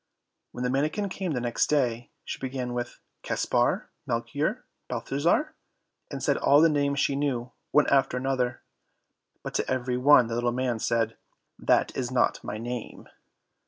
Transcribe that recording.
When the manikin came the next day, she began with Caspar, Melchior, Balthazar, and said all the names she knew, one after another; but to every one the little man said, "That is not my name."